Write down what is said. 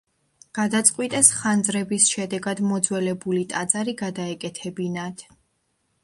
გადაწყვიტეს ხანძრების შედეგად მოძველებული ტაძარი გადაეკეთებინათ.